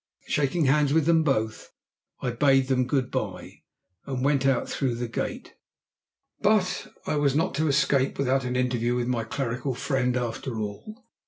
Shaking hands with them both, I bade them good bye, and went out through the gate. But I was not to escape without an interview with my clerical friend after all.